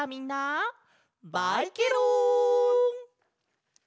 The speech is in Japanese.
バイケロン！